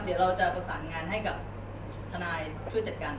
แล้วคุณจะคืนเงินให้ผู้เสียหายได้เมื่อไหร่